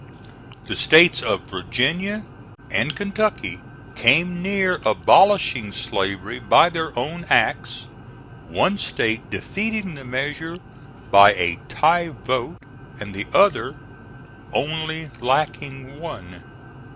The States of Virginia and Kentucky came near abolishing slavery by their own acts, one State defeating the measure by a tie vote and the other only lacking one.